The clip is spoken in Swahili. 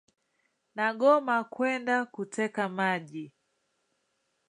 Nagoma kwenda kuteka maji.